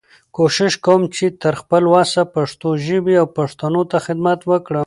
کوشش کوم چې تر خپل وسه پښتو ژبې او پښتنو ته خدمت وکړم.